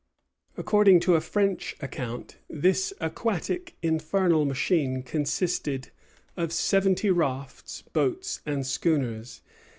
'" According to a French account, this aquatic infernal machine consisted of seventy rafts, boats, and schooners.